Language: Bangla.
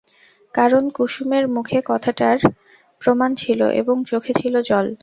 কারণ, কুসুমের মুখে কথাটার প্রমাণ ছিল এবং চোখে ছিল জল।